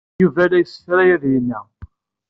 Yuba la yessefray ad iyi-ineɣ.